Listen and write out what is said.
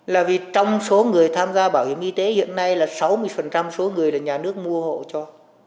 là vì trong số người tham gia bảo hiểm y tế hiện nay là sáu mươi số người là nhà nước mua hộ cho